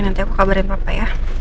nanti aku kabarin papa ya